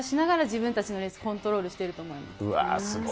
自分たちのレース、コントロールしてると思います。